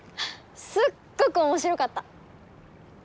すっごく面白かった。